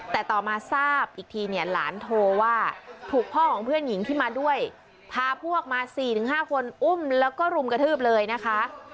แต่ต่อมาทราบอีกทีเนี่ยหลานโทรว่าถูกพ่อของเพื่อนหญิงที่มาด้วยพาพวกมา๔๕คนอุ้มแล้วก็รุมกระทืบเลยนะคะ